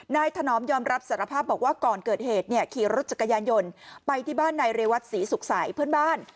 นายถนอมยอมรับสัตวภาพบอกว่าก่อนเกิดเหตุขี่รถจักรยานยนต์ไปที่บ้านในเรวัตดิ์ศรีศูกษาใหญ่เพื่อนบ้าน